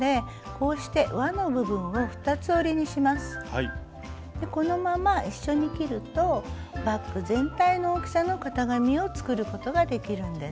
このまま一緒に切るとバッグ全体の大きさの型紙を作ることができるんです。